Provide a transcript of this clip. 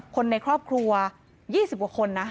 คนในครอบครัว๒๐กว่าคนนะ